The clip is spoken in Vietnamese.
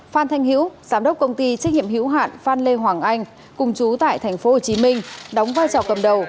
phan thanh hữu giám đốc công ty trách nhiệm hữu hạn phan lê hoàng anh cùng chú tại tp hcm đóng vai trò cầm đầu